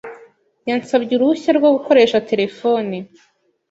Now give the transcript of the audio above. Yansabye uruhushya rwo gukoresha terefone.